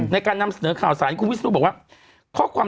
ในการนำเสนอข่าวสารคุณวิทยุบอกว่า